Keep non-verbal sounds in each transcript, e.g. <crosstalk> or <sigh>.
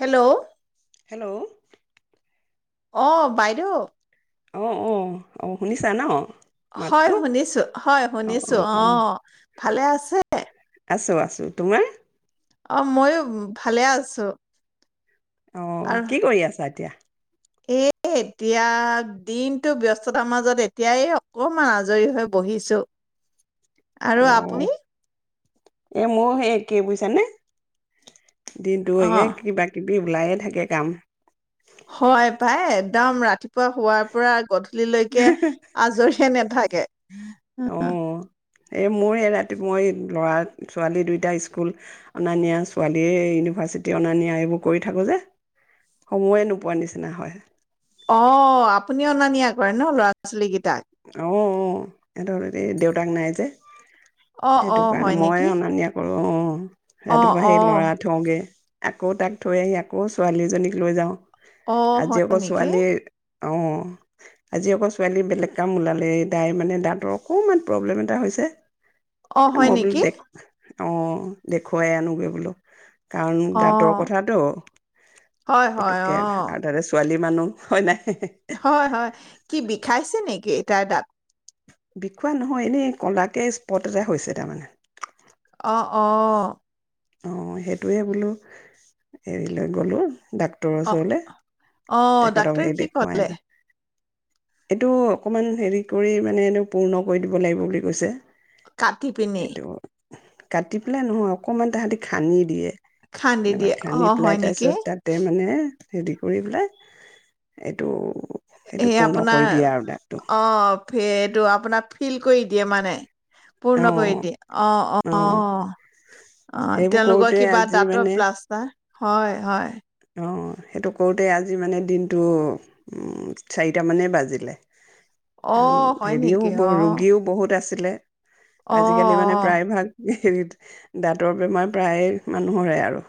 Hello hello আহ বাইদেউ অঁ অ অ শুনিছা ন হয় মাতটো শুনিছো হয় অঁ শুনিছো অঁ অ অঁ ভালে আছে আছো আছো তোমাৰ অ মইো ভালে আছো অ কি কৰি আছা এতিয়া এ এতিয়া দিনটো ব্যস্ততাৰ মাজত এতিয়াই অকমান আজৰি হৈ বহিছোঁ আৰু আপুনি এ মোৰ সেই কিেই বুজিছানে দিনটো অ হয়গে কিবা কিবি ওলায়ে থাকে কাম হয় পাই একদম ৰাতিপুৱা পোৱা হোৱাৰ পৰা গধূলিলৈকে আজৰিয়ে নাথাকে অঁ এই মোৰ এই ৰাতিপ মই ল'ৰা ছোৱালী দুইটা স্কুল অনা নিয়া ছোৱালীয়ে ইউনিভাৰ্চিটি অনা নিয়া এইবোৰ কৰি থাকোঁ যে সময়ে নোপোৱা নিচিনা হয় অ আপুনি অনা নিয়া কৰে ন ল'ৰা ছোৱালীকেইটা আহ অ সিহতৰ হ'ল দেউতাক নাই যে অ অ হয় নেকি অঁ অ সটোম অ সেই ল'ৰা থগে আকৌ তাক থৈ আহি আকৌ ছোৱালীজনীক লৈ যাওঁ অ আজি এক হয় নেকি ছোৱালী অ আজি অক ছোৱালী বেলেগ কাম ওলালে তাই মানে দাঁতৰ অকণমান প্ৰব্লেম এটা হৈছে অ এ হয় মই বোলো নেকি। দেখ অ দেখুৱাই আনোগৈ বোলো। কাৰণ অ দাঁতৰ কথাটো হয়, হয়, পতুককে অ'। আৰু তাতে ছোৱালী মানুহ হয় নাই? হয় হয় কি বিষাইছে নেকি? তাইৰ দাত। বিখোৱা নহয় এনেই কলাকে স্পট এটা হৈছে তাৰমানে। অ অ। অ সেইটোৱে বোলো এৰি লৈ গ'লো। ডাক্তৰৰ অ', ওচৰলে, অ', তেখেতক ডাক্তৰে সেই কি দেখুৱাই ক'লে? এইটো অকমান হেৰি কৰি মানে এইটো পূৰ্ণ কৰি দিব লাগিব বুলি কৈছে। কাটি পিনে, এইটো কাটি পেলাই নহয়, অকমান তাহাঁতি খানি দিয়ে। খান্দি এনেকুৱা দিয়ে। খান্দি অ', পেলাই, হয় তাৰ নেকি? পিছত তাতে মানে হেৰি কৰি পেলাই এইটো এইটো সেই পূৰ্ণ কৰি আপোনাৰ দিয়ে আৰু দাঁতটো অ' এইটো আপোনাৰ ফিল কৰি দিয়ে মানে। অ পূৰ্ণ কৰি দিয়ে, অ' অ' অ' অ' সেইবোৰ কৰোতে তেওঁলোকৰ কিবা আজি দাঁতৰ প্লাষ্টাৰ। হয় হয়। অঁ, সেইটো কৰোঁতে আজি মানে দিনটো চাৰিটামানেই বাজিলে। অ', হয় হেৰিও নেকি? অ', ৰোগীও বহুত আছ ছিলে। অ', আজিকালি মানে অ', প্ৰায় ভাগ হেৰিত দাঁতৰ বেমাৰ প্ৰায় মানুহৰে আৰু।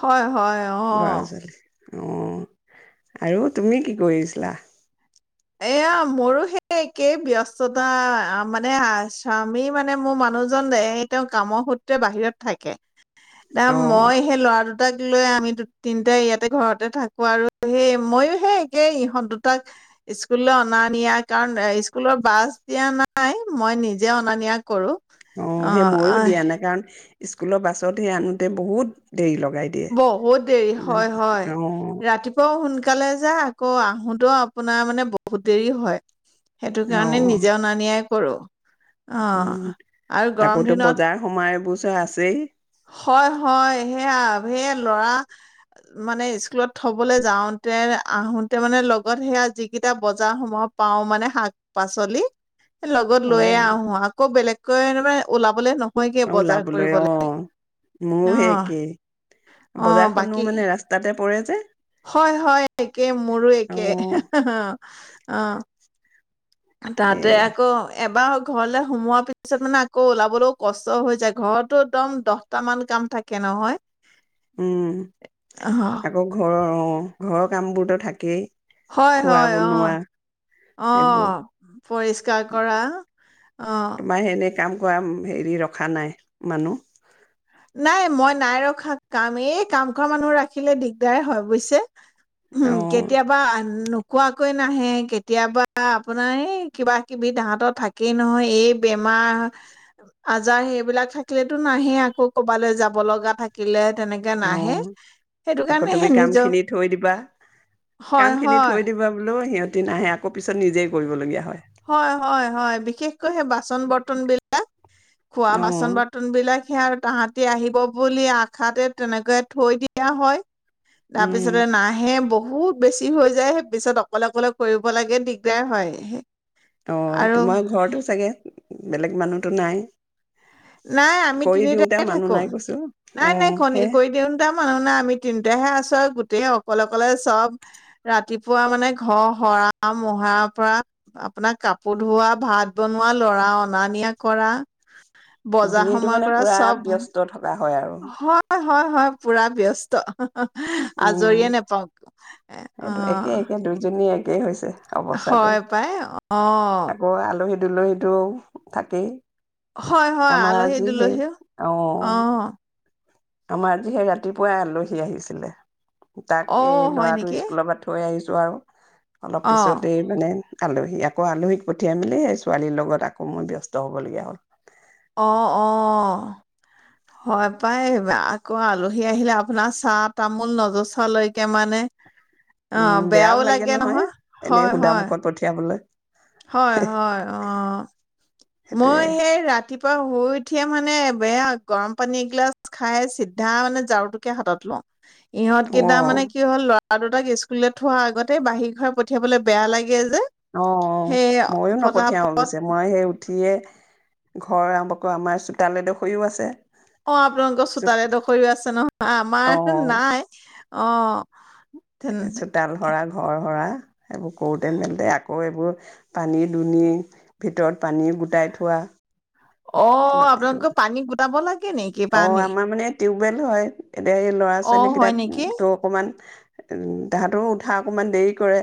হয়, হয় অ। ল'ৰা ছোৱালী অ আৰু তুমি কি কৰিছিলা? এয়া মোৰো সেই একেই ব্যস্ততা মানে স্বামী মানে মোৰ মানুহজন এই তেওঁ কামৰ সূত্ৰে বাহিৰত থাকে। না অ', মই সেই লৰা দুটাক লৈ আমি দু তিনটাই ইয়াতে ঘৰতে থাকো আৰু সেই মইয়ো সেই একে ইহঁত দুটাক স্কুললৈ অনা নিয়া কাৰণ স্কুলৰ বাছ দিয়া নাই মই নিজে অনা নিয়া কৰো। অ সেই ময়ো দিয়া নাই কাৰণ স্কুলৰ বাছত সেই আনোতে বহুত দেৰি লগাই দিয়ে। বহুত দেৰি ইমান হয় হয় অ', ৰাতিপুৱাও সোন কালে যা আকৌ আহোতেও আপোনাৰ মানে বহুত দেৰি হয়। সেইটো কাৰণে অ', নিজে অনা-নিয়াই কৰোঁ উম, আকৌতো দিনত বজাৰ সোমাই বো পচা আছেই <inaudible> হয় হয় সেয়া সে ল'ৰা মানে স্কুলত থবলৈ যাওঁতে আহোতে মানে লগত সেয়া যিকেইটা বজাৰ সমহত পাও মানে শাক- পাচলি। লগত লৈয়ে অ', আহো আকৌ বেলেগ কৈ মে ওলাবলে ন মই কিয় বজাৰ ওলাবলৈ কৰিব অ লাগ মোৰো সে একেই অ', বজাৰখনো বাকী মানে ৰাস্তাতে পৰে। যে হয় হয় একে মোৰো একে অ অ। তাহাতে সেয়া আকৌ এবাৰ হওক কল সোমোৱাৰ পিছত মানে আকৌ ওলাবলৈও কষ্ট হৈ যায় ঘৰতো একদম দহটা মান কাম থাকে নহয়। উম অ', আকৌ ঘৰৰ অ। অ ঘৰৰ কামবোৰতো থাকেই। হয় খোৱা হয় অহ বনোৱা এইবোৰ অহ পৰিষ্কাৰ কৰা অহ। তোমাৰ এনে কাম কৰা হেৰি ৰখা নাই মানুহ। নাই মই নাই ৰখা কাম এই কাম কৰা মানুহ ৰাখিলে দিগদাৰে হয় বুজিছে। উম অ', কেতিয়াবা কোৱাকৈ নাহে কেতিয়াবা আপোনাৰ এই কিবা কিবি তাহতৰ থাকেই নহয় এই বেমাৰ আজাৰ সেইবিলাক থাকিলেতো নাহে আকৌ ক'বালৈ যাব লগা থাকিলে,, তেনেকে অ নাহে। সেইটো আকৌ কাৰণে তুমি সেই কাম নিজৰ খিনি থৈ দিবা কাম হয়, খিনি হয়, থৈ দিবা বোলো সিহঁত সিহঁত নাহে আকৌ পিছত নিজেই কৰিবলগীয়া হয়। হয় হয়। হয় বিশেষ কৈ সেই বাছন বৰ্তন বিলা খোৱা অ বাছন বৰ্তন বিলাক - - তাহাঁতি আহিব বুলি আশাতে তেনেকৈ থৈ দিয়া হয়। উম তাৰপিছতে নাহে ব বহুত বেছি হৈ যায় সে পিছত অকলে অকলে কৰিব লাগে দিগদাৰ হয়। অ আৰু তোমাৰ ঘৰতো চাগে বেলেগ মানুহতো নাই। নাই আমি কৰি দিওঁতে তিনিটাকে মানুহ থাকো নাই কৈছো অ নাই নাই কণী সেই কৰি দিওঁ তাম মানুহ নে আমি তিনিটাহে আছো আৰু গোটেই অকলে অকলে চব ৰাতিপুৱা মানে ঘৰ সৰা মহাৰ পৰা আপোনাক কাপোৰ ধোৱা ভাত বনোৱা লৰা অনা নিয়া কৰা বজাৰ দিনটো সমাৰ মানে কৰা পুৰা চব ব্যস্ত থকা হয় আৰু হয় হয় হয় পুৰা ব্যস্ত উম আজৰিয়ে নেপাও এ অ সেইটো একে একে দুইজনী একেই হৈছে অৱস্থাটো হয় পাই অ আকৌ আলহী দুলহীটো থাকেই হয় হয় আমাৰ আলহী আজি সেই দুলহীও অ আমাৰ আজি সেই ৰাতিপুৱাই আলহী আহিছিলে তাক অ এই হয় ল'ৰাটো নেকি স্কুলৰ পৰা থৈ আহিছো আৰু অলপ অ পিছতেই মানে আলহী আকৌ আলহীক পঠিয়াই মেলি সেই ছোৱালীৰ লগত আকৌ মোৰ ব্যস্ত হ'বলগীয়া হ'ল অ অ হয় পাই আকৌ আলহী আহিলে আপোনাৰ চাহ তামোল নজচা লৈকে মানে উম বেয়াও লাগে নহয় এনেই সুদা মুখত পঠিয়াবলৈ হয় হয় অহ সেইটোৱে। মই সেই ৰাতি ৰাতিপুৱা শুই উঠিয়ে মানে বেয়া গৰম পানী এগিলাচ খাই চিধা মানে ঝাৰুটোকে হাতত লওঁ ইহঁত অ', কেইটা মানে কি হল ল দুতাক স্কুললৈ থোৱা আগতে বাহিৰ ঘৰ পঠিয়াবলৈ বেয়া লাগে যে অ অ সেই ময়ো নপঠিয়াও পতাপত অৱশ্যে মই সেই উঠিয়ে ঘৰ আৰম্ভ কৰ আমাৰ চোতালেডোখৰও আছে অ আপোনালোকৰ চো চোতাৰে ডোখৰও আছে নহয় আমাৰ এখন অ', নাই অঁ চোতাল সৰা ঘৰ সৰা সেইবোৰ কৰোঁতে মেলতে আকৌ এইবোৰ পানী দুনি ভিতৰত পানী গোটাই থোৱা অ এইটো আপোনালোকে পানী গোটাব লাগে নেকি অ পানী আমাৰ মানে বেল হয় এতিয়া এই ল'ৰা অ হয় নেকি ছোৱালীকেইটাকটো অকণমান তাহাঁতৰো উঠা অকমান দেৰি কৰে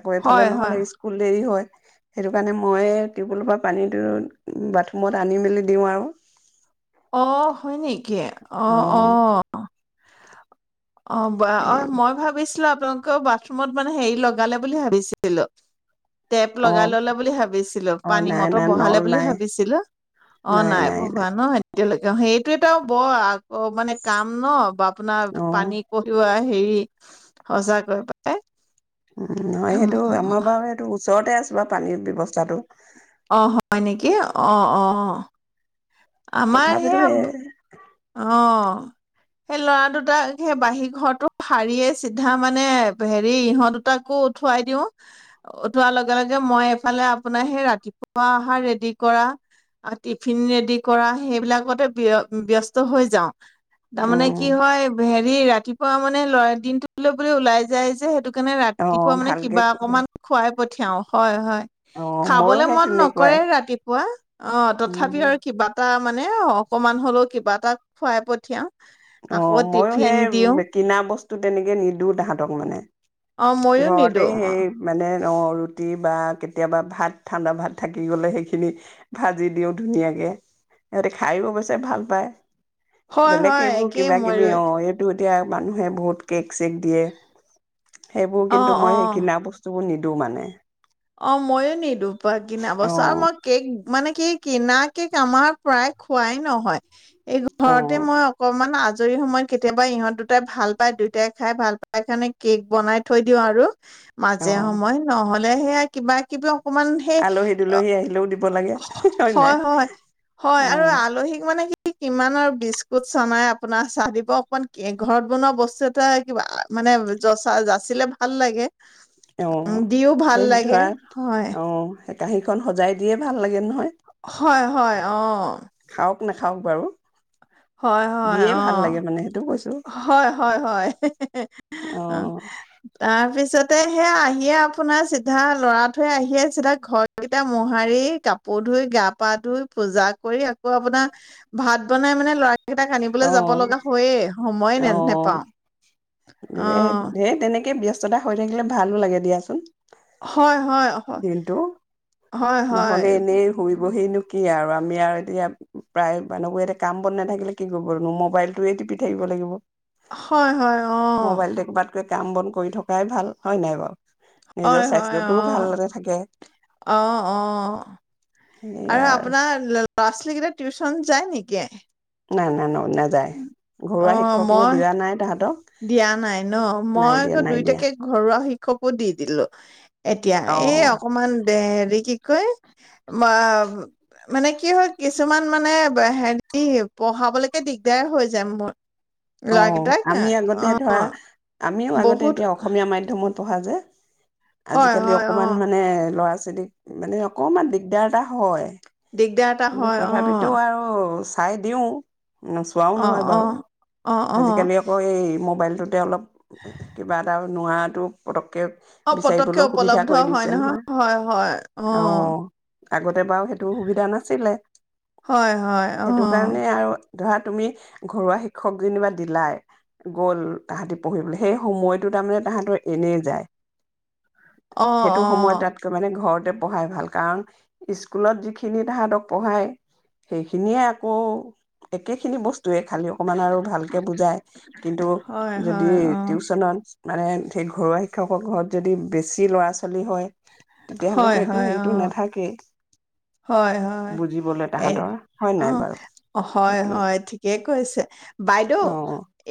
আকৌ এইফালে হয় হয় নহ'লে স্কুল দেৰি হয় সেইটো কাৰণে মই টিউব েলৰ পৰা পানীটো বাথৰুমত আনি মেলি দিওঁ আৰু অহ হয় নেকি! অ অ অ অ সেই মই ভাবিছিলো লোকৰ বাথৰুমত মানে হেৰি লগালে বুলি ভাবিছিলো। টেপ লগাই অ' ললে বুলি ভাবিছিলো অ' পানী নাই মটৰ নাই বহালে নল বুলি নাই ভাবিছিলো অ নাই বহোৱা ন এতিয়ালৈকে অ সেইটো এটা বৰ আকৌ মানে কাম ন আপোনাৰ অ'। পানী কঢ়িওৱাই। হেৰি সচাকৈ পাই। উ নহয় সেইটো আমাৰ বাৰু এইেইটো ওচৰতে আছোঁ বা পানীৰ ব্যৱস্থাটো। অ হয় নেকি অ অ অ। আমাৰ তথাপিতো সেয়া, সেই অ সেই লৰা দুটাক সেই বাহী ঘৰটো সাৰিয়ে চিধা মানে হেৰি ইহঁত দুটাকো উঠোৱাই দিও উঠোৱাৰ লগে লগে মই এইফালে আপোনাৰ সেই ৰাতিপুৱা অহাৰ ৰেডি কৰা টিফিন ৰেডি কৰা সেইবিলাকতে ব্যস্ত হৈ যাওঁ তাৰমানে উম কি হয় হেৰি ৰাতি ৰাতিপুৱা মানে লৰা দিনটো বোলে ওলাই যায় যে সেইটো কাৰণে ৰাতিপুৱা অ' মানে ভালকে কিবা অকমান খুৱাই পঠিয়াও হয় হয় অ' ময়ো খাবলে সেই মন নকৰে তেনেকুৱাই। ৰাতিপুৱা অ তথাপি আৰু কিবা এটা মানে অ অকমান হ'লেও কিবা তাক খোৱাই পঠিয়াও। অ আকৌ মইো টিফিন সেই দিওঁ কিনা বস্তু তো তেনেকে নিদওঁ তাহাঁতক মানে। অ ময়ো ঘৰতে নিদো অ। সেই মানে অ ৰুটি বা কেতিয়াবা ভাত ঠাণ্ডা ভাত থাকি গলে সেইখিনি ভাজি দিও ধুনীয়াকে সিহঁতে খাইও অৱশ্যে ভাল পায়। হয় হয়। সেইবোৰ একেই কিবা কিবি ময়ো অ এইটো এতিয়া মানুহে বহুত কেক চেক দিয়ে। সেইবোৰ অ কিন্তু মই সেই অ কিনা বস্তু বোৰ নিদিও টো মানে। অ মইয়ো নিদো পা কিনা অ বছৰ মই কেক মানে কি কিনা কেক আমাৰ প্ৰায় খোৱাই নহয়। এই অ ঘৰতে মই অকমান আজ আজৰি সময়ত কেতিয়াবা ইহঁত দুটাই ভাল পায় দুইটাই খাই ভাল পাই কাৰণে কেক বনাই থৈ দিওঁ আৰু। অ মাজে সময় নহ'লে, সে কিবা কিব আলহী দুলহী আহিলেও দিব লাগে নাই হয় হয় হয় অ আৰু আলহীক মানে কি কি কিমান আৰু বিস্কুট চানাই আপোনাৰ চাহ দিব অকন ঘৰত বনোৱা বস্তু এটা কিবা মানে যচা যাচিলে ভাল লাগে অ উ দিও ভাল সেই লাগে ধৰা হয় অ কাঁহীখন সজাই দিয়ে ভাল লাগে নহয় হয় হয় অ খাওক নাখাওক বাৰু হয় হয় দিয়ে অ ভাল লাগে মানে সেইটো কৈছো হয় হয় হয় হে হে অ হে তাৰপিছতে আহিয়ে আপোনাৰ চিধা ল'ৰাটোৱে আহিয়ে চিধা ঘৰ কেইটা মোহাৰি কাপোৰ ধুই গা পা ধুই পূজা কৰি আকৌ আপোনাৰ ভাত বনাই মানে লৰা কেইটাক আনিবলৈ যাব অ লগা হৈয়ে সময়ে অ নে নেপাওঁ এ ধে তেনেকে ব্যস্ত স্তটা হৈ থাকিলে ভালো লাগে দিয়াচোন হয়, হয়, হয়, দিনতো হয়, হয়। নহ'লে এনেই শুই-বহিনো কি আৰু আ আমি আৰু এতিয়া প্ৰায় মানুহবোৰ এতিয়া কাম বন নেথাকিলে কি কৰিব মোবাইলটোয়ে টিপি থাকিব লাগিব হয় হয় অ', মোবাইল দেখিবাত কৈ কাম বন কৰি থকাই ভাল হয় নাই বাৰু নিজৰ হয় হয় স্বাস্থ্যটোও অ ভালতে থাকে অ অ আৰু আপোনাৰ ল ল'ৰা ছোৱালীকেইটা টিউশ্যন যায় নেকি নাই নাই নহ নাযায় ঘৰুৱা শিক্ষক মই দিয়া নাই তাহাঁতক দিয়া নাই ন নাই মই দিয়া আকৌ নাই দিয়া দুইটাকে ঘৰুৱা শিক্ষকো দি দিলো এতিয়া অ এই অকমান দে হেৰি কি ক মা মানে কি হয় কিছুমান মানে হেৰি পঢ়াবলৈকে অ ল'ৰাকেইটাক আমি আ আগতে ধৰা আমিও আগতে এতিয়া অসমীয়া মাধ্যমত পঢ়া যে হয় আজিকালি হয় অ অকমান মানে ল'ৰা <unintelligible> দিগদাৰ এটা হয়। আহ খাই দিওঁ। নচোৱাও নহয় অ বাৰু অ অ আজিকালি আকৌ এই মোবাইল সতে অলপ। কিবা এটা। নোৱাৰাটো পটক অ পতককে উপলব্ধ হয় নহয় হয় হয় অ আগতে বাৰু সেইটো সুবিধা নাই। হয় হয় আহ। কাৰণে আৰু ধৰা তুমি ঘৰুৱা শিক্ষক যেনিবা দিলাই গ'ল তাহাঁতি পঢ়িবলৈ সেই সময়টো তাৰমানে তাহাঁতৰ এনেই যায়। অ সেইটো অ সময় তাতকৈ মানে ঘৰত। পঢ়াই ভাল। কাৰণ স্কুলত যিখিনি তাহাঁতক। পঢ়ায় সেইখিনিয়ে আকৌ একেখিনি বস্তুৱে খালি অকণমান। কিন্তু হয় যদি হয় অ টিউচনত। মানে সেই ঘৰুৱা শিক্ষকৰ ঘৰত যদি বেছি ল'ৰা ছোৱালী হয়। হয়, তেতিয়াহলেতো একো হয়, হেৰিটো অ', নাথাকেই। হয় হয় বুজিবলৈ এ তাহাঁতৰ হয় অ নাই বাৰু হয় সেইটোৱে হয় ঠিকেই কৈছে বাইদেউ অ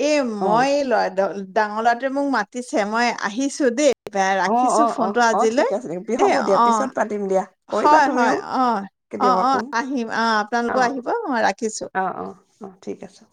এই অ মই এই লৰা। ডাঙৰ লৰাটোৱে মোক মাতিছে মই আহিছো দেই। অ ৰাখিছোঁ অ অ ফোনটো অ ঠিক আজিলৈ আছে দেই, হ'ব দিয়া অ', পিছত পাতিম দিয়া। কৰিবা হয় হয় তুমিও অ অ কেতিয়াবা অ ফোন আহিম আ আপোনালোক আহিব অ ৰাখিছো। অ অ অ ঠিক আছে।